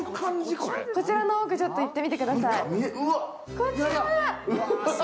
こちらの奥、ちょっと行ってみてください。